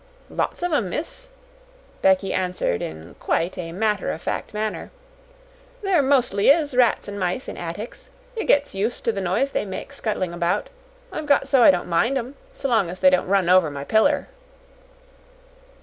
"Lots of 'em, miss," Becky answered in quite a matter of fact manner. "There mostly is rats an' mice in attics. You gets used to the noise they makes scuttling about. I've got so I don't mind 'em s' long as they don't run over my piller."